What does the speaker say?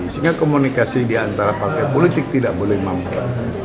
sehingga komunikasi di antara partai politik tidak boleh mampu